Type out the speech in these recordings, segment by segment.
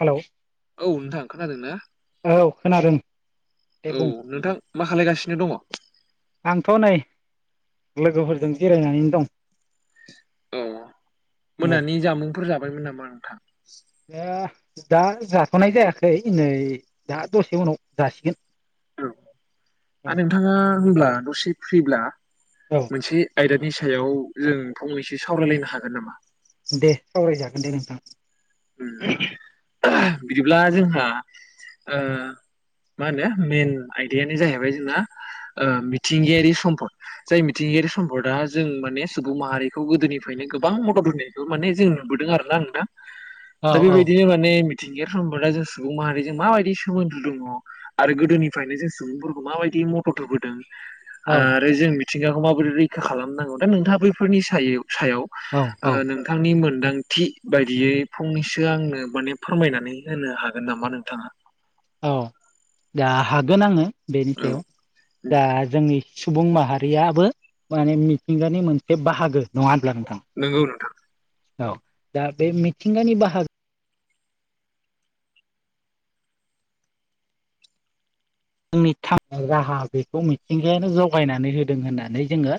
Hello औ नोंथां खोनादों ना? औ खोनादों दे औ बुं नोंथां मा खालायगासिनो दङ? आंथ' नै लोगोफोरजों जिरायनानैनो दं। औ औ मोनानि जामुंफोर जाबायमोन नामा नोंथां? दा दा जाथ'नाय जायाखै नै दा दसे उनाव जासिगोन। औ आ औ नोंथाङा होमब्ला दसे फ्रिब्ला औ मोनसे आयदा नि सायाव जों फंनैसो सावरायलायनो हागोन नामा? दे सावरायजागोन दे नोंथां। बिदिब्ला जोंहा ओ मा होनो मेन आयदायानो जाहैबाय जोंना ओ मिथिंगायारि सम्पद जाय मिथिंगायारि सम्पदा जों माने सुबुं माहारिखौ गोदोनिफ्रायनो गोबां मदद होनायखौ माने जों नु बोदों आरोना नोंथां औ दा औ बेबायदिनो माने मि थिंगायारि सम्पदा जों सुबुं माहारिजों माबायदि सोमोन्दो दङ आरो गोदोनिफ्रायनो जों सुबुंफोरखौ माबायदि मदद होबोदों औ आरो जों मिथिंगाखौ माबोरै रैखा खालामनांगौ दा नोंथाङा बैफोरनि सायाव सायाव औ ओ औ नोंथांनि मोनदांथि बायदियै फंनैसो आंनो माने फोरमायनानै होनो हागोन नामा नोंथाङा? औ दा हागोन आङो बेनि औ सायाव दा जोंनि सुबुं माहारियाबो माने मिथिंगानि मोनसे बाहागो नङा नोंथां नोंगौ नोंथां। औ दा बे मिथिंगानि बाहाग जोंनि थांनाय राहा बेखौ मिथिंगायानो जगायनानै होदों होननानै जोङो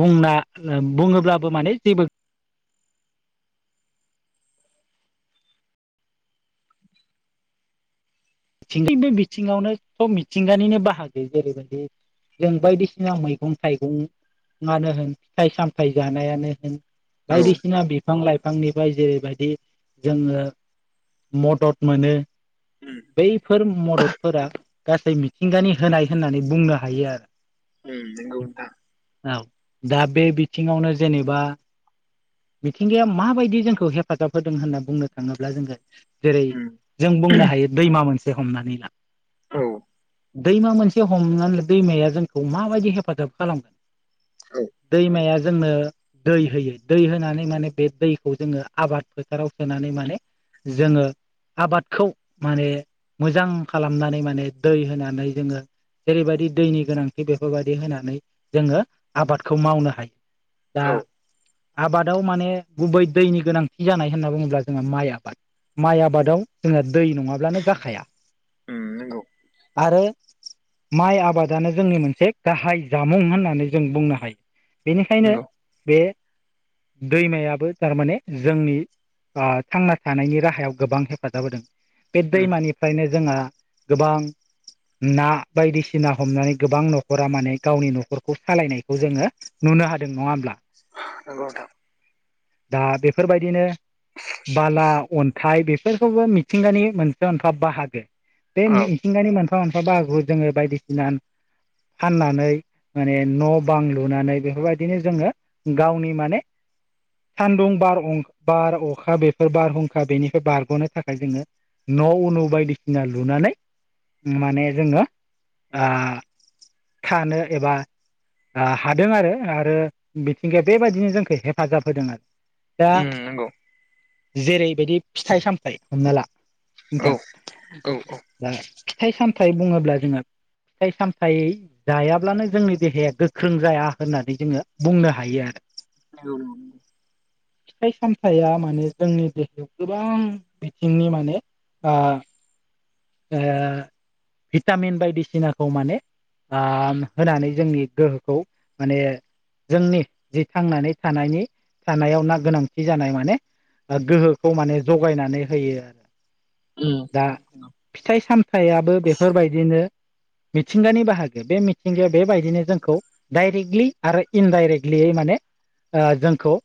बुंना ओ बुङोब्लाबो माने जेबो [inaudible] थिंबि बे बिथिङावनो सब मिथिंगानिनो बाहागो जेरैबादि जों बायदिसिना मैगं थाइगंआनो होन फिथाइ सामथाइ जानायानो होन औ बायदिसिना बिफां लाइ फांनिफ्राय जेरैबायदि जोङो मदद मोनो । उम बैफोर मददफोरा गासै मिथिंगानि होनाय होननानै बुंनो हायो आरो‌। उम नोंगौ नोंथां। औ दा बे बिथिङावनो जेनेबा मिथिंगाया माबायदि जोंखौ हेफाजाब होदों होनना बुंनो थाङोब्ला जोङो जेरै उम जों बुंनो हायो दैमा मोनसे हमनानै ला औ। दैमा मोनसे हमनानै दैमाया जोंखौ माबायदि हेफाजाब खालामगोन औ दैमाया जोंनो दै होयो दै होनानै माने बे दैखौ जोङो आबाद फोथाराव सोनानै माने जोङो आबादखौ माने मोजां खालामनानै माने दै होनानै जोङो जेरैबायदि दैनि गोनांथि बेफोरबायदि होनानै जोङो आबादखौ मावनो हायो । दा औ आबादाव माने गुबै दैनि गोनांथि जानाय होनना बुङोब्ला जोंहा माइ आबाद माइ आबादाव जोंहा दै नङाब्लानो जाखाया उम नंगौ । आरो माइ आबादानो जोंनि मोनसे गाहाय जामुं होननानै जों बुंनो हायो। बेनिखायनो नंगौ बे दैमायाबो थारमाने जोंनि ओ थांना थानायनि राहायाव गोबां हेफाजाब होदों बे उम दैमानिफ्रायनो जोंहा गोबां ना बायदिसिना हमनानै गोबां न'खरा माने गावनि न'खरखौ सालायनायखौ जोङो नु नो हादों नङा होमब्ला? नोंगौ। दा बेफोरबायदिनो बाला अन्थाइ बेफोरखौबो मिथिंगानि मोनसे अनफाब बाहागो बे औ मिथिंगानि मोनफा मोनफा बागुर जोंङो बायदिसिना फाननानै माने न' बां लुनानै बेफोरबायदिनो जोंङो गावनि माने [inaudible] सान्दुं बार बार अखा बेफोर बारहुंखा बेनिफ्राय बारग'नो थाखाय जोंङो न' अनु बायदिसिना लुनानै माने जोंङो आ थानो एबा आ हादों आरो आरो मिथिंगाया बेबायदिनो जोंखो हेफाजाब होदों आरो उ नंगौ जेरैबायदि फिथाइ सामथायाइ हमना ला औ नोंथां औ नंगौ दा फिथाइ सामथायाइ बुङोब्ला जोंङो फिथाइ सामथाय जायाब्लानो जोंनि देहाया गोख्रों जाया होननानै जोंङो बुंनो हायो आरो औ फिथाइ सामथाया माने जोंनि देहायाव गोबां बिथिंनि माने ओ ओ भिटामिन बायदिसिनाखौ माने आम होनानै जोंनि गोहोखौ माने जोंनि जि थांनानै थानायनि थानायाव ना गोनांथि जानाय माने गोहोखौ माने जगायनानै होयो आरो । उम फिथाइ सामथायाइयाबो बेफोरबायदिनो [inaudible] मिथिंगानि बाहागो बे मिथिंगाया बेबायदिनो जोंखौ डाइरेक्टलि आरो इनडाइरेक्टलियै माने ओ जोंखौओ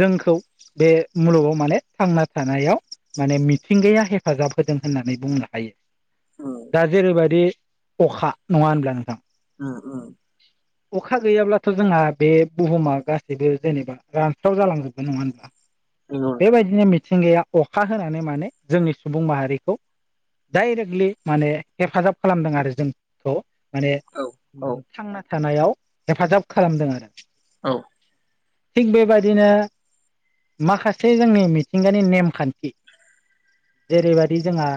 जोंखौ बे मुलुगाव माने थांना थानायाव माने मिथिंगाया हेफ हेफाजाब होदों होननानै बुंनो हायो उम दा जेरैबायदि अखा नङा होनब्ला नोंथां उम उम अखा गैयाब्लाथ' जोंहा बे बुहुमा गासैबो जेनेबा रानस्राव जालांजोबबो नङा होनबा नंगौ नोंथां बेबायदिनो मिथिंगाया अखा होनानै माने जोंनि सुबुं माहारिखौ डाइरेक्टलि माने हेफाजाब खालामदों आरो जोंखौ माने औ औ थांना थानायाव हेफाजाब खालामदों आरो औ थिग बेबायदिनो माखासे जोंनि मिथिंगानि नेमखान्थि जेरैबायाददि जोंहा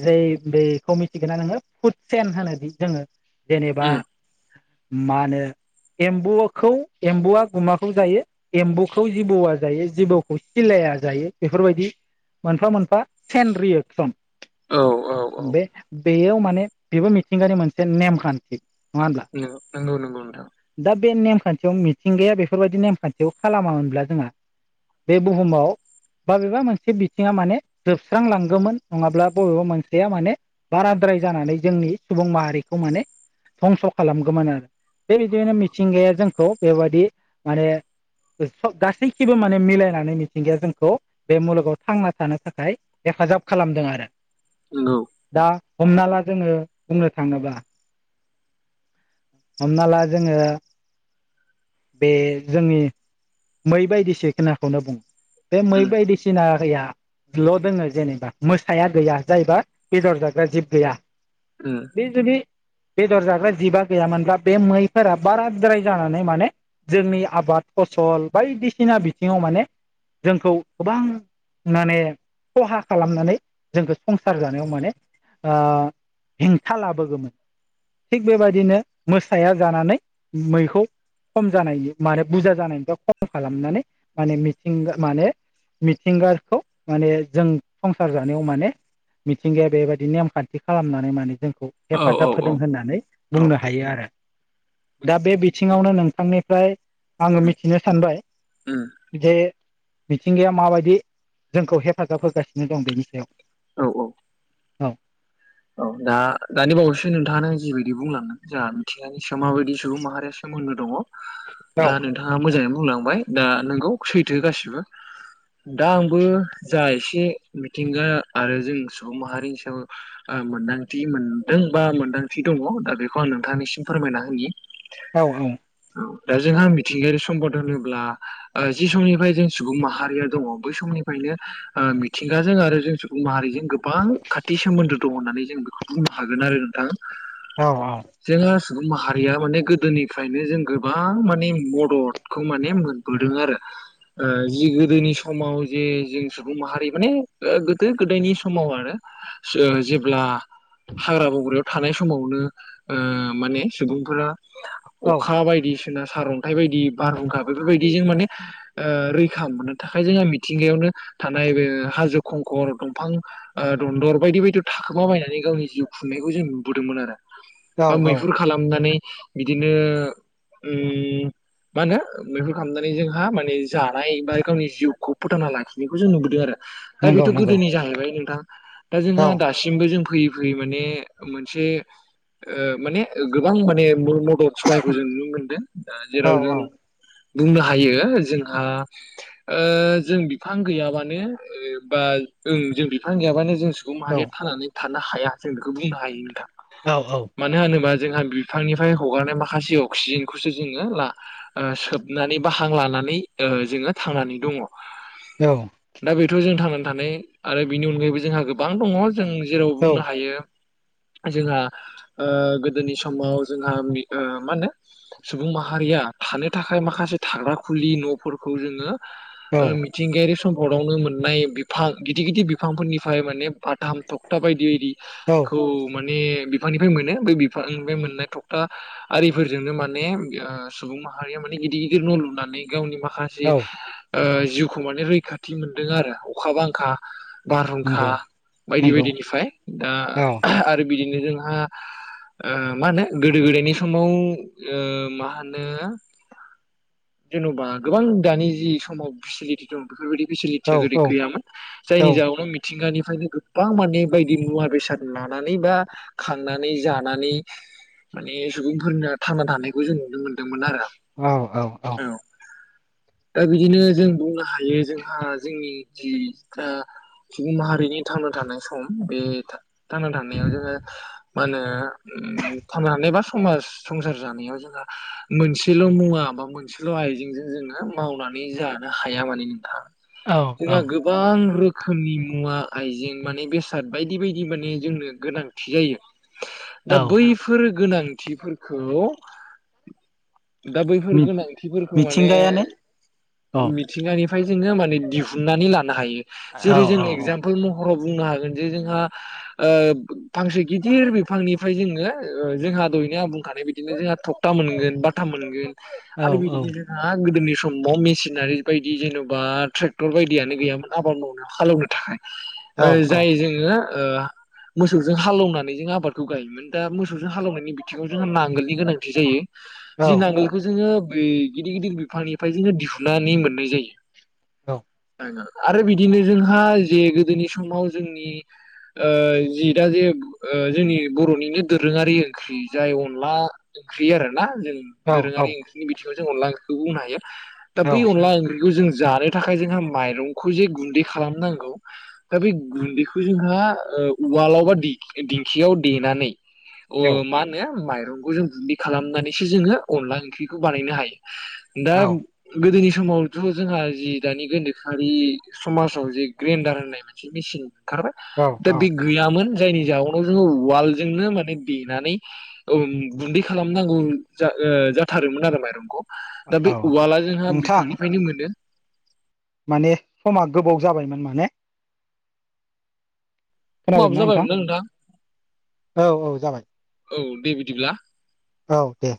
जै बेखौ मिथिगोना नोंङो फुडसेेन होनोदि जोंङो जेनेबा उम मा होनो एम्बौखौ एम्बुआ गुमाखौ जायो एम्बौखौ जिबौआ जायो जिबौखौ सिलाया जायो बेफोरबायदि मोनफा मोनफा सेन रिएकसन औ औ औ बेयाव माने बेबो मिथिंगानि मोनसे नेमखान्थि होनब्ला नोंगं नोंगौ नोंगौ नोंथां दा बे नेमखान्थियाव मिथिंगाया बेफोरबायदि नेमखान्थियाव खालामामोनब्ला जोंहा बे बुहुमाव बाबेबा मोनसे बिथिङा माने जोबस्रांलांगौमोन नङाब्ला बबेबा मोनसेया माने बाराद्राय जानानै जोंनि सुबुं माहारिखौ माने धंस' खालामगौमोन आरो बेबायदिनो मिथिंगाया जोंखौ बेबायदि माने गासैखिबो माने मिलायनानै मिथिंगाया जोंखौ बे मुलुगाव थांना थानो थाखाय हेफाजाब खालामदों आरो नोंगौ हमनाला जोङो बुंनो थाङोबा हमनाला जोङो बे जोंनि मै बायदिसि खोनाखौनो बुङो बे मै उम बायदिसिनायाल' दोङो जेनेबा मोसाया गैया जायबा बेदर जाग्रा जिब गैया उम बे जुदि बेदर जाग्रा जिबा गैयामोनब्ला बे मैफोरा बाराद्राय जानानै माने जोंनि आबाद फसल बायदिसिना बिथिङाव माने जोंखौ गोबां माने खहा खालामनानै जोंखौ संसार जानायाव माने ओ हेंथा लाबोगौमोन। थिग बेबायदिनो मोसाया जानानै मैखौ खम जानायनि माने बुरजा जानायनिफ्राय खम खालामनानै माने मिथिंगा माने मिथिंगाखौ माने जों संसार जा माने मिथिंगाया बेबायदि नेम खान्थि खालामनानै माने जों औ औ हेफाजाब औ होदों होननानै औ बुंनो हायो आरो दा बे बिथिं थिङावनो नोंथांनिफ्राय आङो उम मिथिनो सानबाय उम जे मिथिंगाया माबायदि जोंखौ हेफाजाब होगासिनो दं बेनि सायाव औ औ। औ। औ दा दानि बावैसो नोंथाङां जिबायदि बुंलांदों जोंहा मिथिंगानि माबायदि सुबुं माहारिया सोमोन्दो दङ दा नोंथाङा मोजाङै बुंलांबाय दा नोंगौ सैथो गासिबो। दा आंबो जा एसे मिथिंगा आरो जों सुबुं माहारि हिसाब ओ मोन्दांथि मोनदों बा मोन्दांथि दङ दा बेखौ आं नोंथांनिसिम फोरमायना होनि। औ औ। दा जोंहा मिथिंगायारि सम्पद होनोब्ला ओ जि समनिफ्राय जों सुबुं माहारिया दङ बै समनि फायनो ओ मिथिंगाजों आरो जों सुबुं माहारिजों गोबां खाथि सोमोन्दो दं होननानै जों बेखौथ' बुंनो हागोन आरो नोंथां। औ औ। जोंहा सुबुं माहारिया माने गोदोनिफ्रायनो जों गोबां माने मददखौ माने मोनबोदों आरो। ओ जि गोदोनि समाव जे जों सुबुं माहारि माने गोदो गोदायनि समाव आरो सो ओ जेब्ला हाग्रा बग्रायाव थानाय समावनो ओ माने सुबुंफोरा औ अखा बायदि सिना सार अन्थाइ बायदि बारहुंखा बेफोरबायदि जों माने ओ रैखा मोननो थाखाय जोंहा मिथिंगायावनो थानाय बे हाजो खंखर दंफां दन्दर बायदि बायदि थाखोमा बायनानै गावनि जिउ खुंनायखौ जों नुबोदोंमोन आरो औ बा औ मैहुर खालामनानै बिदिनो ओम मा होनो बेफोर खालामनानै जोंहा माने जानाय बा गावनि जिउखौ फोथांना लाखिनायखौ जों नुबोदों आरो। दा नंगौ बेथ' नंगौ गोदोनि जाहैबाय नोंथां। दा औ जोंहा दा जों फैयै फैयै माने मोनसे ओ माने गोबां माने मदद सहायखौ जों नुनो मोनदों ओ औ जेराव जों औ बुंनो हायो जोंहा ओ जों बिफां गैयाबानो बा जों बिफां गैयाबानो जों सुबुं औ माहारिया थांनानै थानो हाया जों बेखौ बुंनो हायो नोंथां औ मानो होनोबा जोंहा बिफांनिफ्राय हगारनाय माखासे अक्सिजेनखौसो जोङो ला ओ सोबनानै बा हां लाना नानै जोङो थांनानै दङ। दा बेथ' जों थांनानै थानाय आरो बेनि अनगायैबो जोंहा गोबां दङ जों जेराव बुंनो औ हायो जोंहा गोदोनि समाव जोंहा मा होनो सुबुं माहारिया थानो थाखाय मासे थाग्रा खुलि न' फोरखौ जोङो औ मिथिंगायारि [unintelligible] आवनो मोननाय बिफां गिदिर गिदिर बिफांफोरनिफ्राय माने बाथाम तखथा बायदि बायदि औ -खौ माने बिफांनिफ्राय मोनो ब बिफांनिफ्राय मोननाय थखथा आरिफोरजोंनो माने सुबुं माहारिया माने गिद गिदिर न' लुनानै गावनि माखा माखासे औ जिउखौ माने रैखाथि मोनदों आरो अखा बांखा बारहुंखा नंगौ बायदि नंगौ बायदिनिफ्राय दा औ आरो बिदिनो जोंहा मा होनो गोदो गोदायनि समाव मा होनो जेन'बा गोबां दानि जि समाव फेसिलिटि दं बेफोरबायदि औ फेसिलिटिया बेदि औ गैयामोन जायनि औ जाउनाव मिथिंगानिफ्रायनो गोबां माने बायदि मुवा बेसाद लानानै बा खांनानै जानानै माने सुबुंफोरना थांना थानायखौ जों नुनो मोनदों औ-औ-औ दा बिदिनो जों बुंनो हायो जोंहा जोंनि जि दा सुबुं माहारिनि थांना थानाय सम बे थांना थानायाव जोङो मा होनो थांनानै बा समाज संसार जानायाव जोंहा मोनसेल' मुवा माबा मोनसेल' आइजेंजों जोङो मावनानै जानो हाया माने नोंथां औ औ जोंहा गोबां रोखोमनि मुवा आइजें माने बेसाद बायदि बायदि माने जोंनो गोनांथि जायो दा औ बैफोर गोनांथिफोरखौ दा बैफोर गोनांथिफोरखौ माने मिथिंगायानो औ मिथिंगानि फ्राय जोङो दिहुननानै लानो हायो औ औ जेरै जों औ इगजामफोल मह राव बुंनो हागोन जे जोंहा फांसे गिदिर बिफांनिफ्राय जोंडो जोंहा दहायनो आं बुंखानाया बादिनो जोंहा तखथा मोनगोन बाथाम मोनगोन औ आरो औ बिदिनो जोंहा गोदोनि समाव मेसिनारि बायदि जेन'बा ट्रेक्टर बायदियानो गैयामोन आबाद मावनो हाले एवनो थाखाय औ औ जाय जोङो मोसौजों हाल एवनानै जों आबादखौ गायोमोन दा मोसौजों हाले एवनायनि बिथिङाव जोंहा नांगोलनि गोनांथि जायो जि नांगोलखौ जोङो बे गिदिर गिदिर बिफांनिफ्राय जोङो दिहुननानै मोननाय जायो औ आरो बिदिनो जोंहा जे गोदोनि समाव जोंनि आ जि दा जे जोंनि बर'निनो दोरोङारि ओंख्रि जाय अनला ओंख्रि आरो ना जों दोरोङारि ओंख्रिनि बिथिङाव जों अनला ओंख्रिखौबो बुंनो हायो दा बै अनला ओंख्रि बेखौ जों जानो थाखाय जोंहा माइरंखौ जे गुन्दै खालामनांगौ दा बे गुन्दैखौ जोंहा उवालाव बा दिंखियाव देनानै मा होनो माइरंखौ जों गुन्दै खालामनानैसो जोङो अनला ओंख्रिखौ बानायनो हायो दा गोदोनि समावथ' जोंहा जि दानि गोनोखोआरि समाजाव जे ग्रेनन्दार होननाय मोनसे मेसिन दा बै गैयामोन जायनि जाहनाव जोङो उवालजोंनो माने देनानै गुन्दै खालामनांगौ जायो जाथारोममोन आरो माइरंखौ दा बे उवाला जोंहा नोंथां बिफांनिफ्रायनो मोनो माने समा गोबाव जाबायमोन माने समाबो जाबायमोनना नोंथां औ-औ जाबाय औ दे बिदिब्ला औ दे